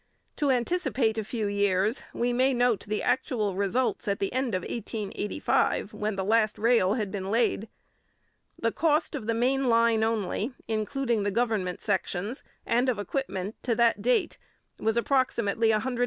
To anticipate a few years, we may note the actual results at the end of 1885, when the last rail had been laid. The cost of the main line only, including the government sections, and of equipment, to that date, was approximately $150,000,000.